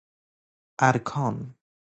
ارکان